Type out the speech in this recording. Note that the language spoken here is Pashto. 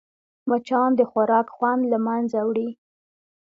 مچان د خوراک خوند له منځه وړي